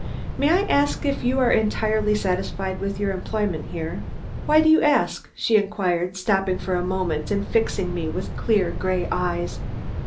"May I ask if you are entirely satisfied with your employment here?" "Why do you ask?" she inquired, stopping for a moment and fixing me with clear gray eyes.